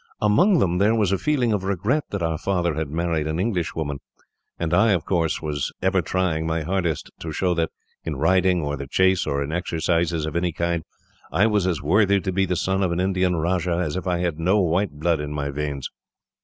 Among them, there was a feeling of regret that our father had married an English woman; and I, of course, was ever trying my hardest to show that in riding, or the chase, or in exercises of any kind, I was as worthy to be the son of an Indian rajah as if I had no white blood in my veins.